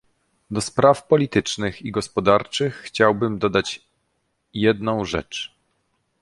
Do spraw politycznych i gospodarczych chciałbym dodać jedną rzecz